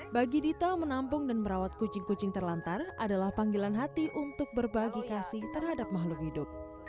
bagi dita menampung dan merawat kucing kucing terlantar adalah panggilan hati untuk berbagi kasih terhadap makhluk hidup